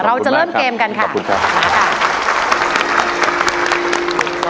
เราจะเริ่มเกมกันค่ะขอบคุณค่ะ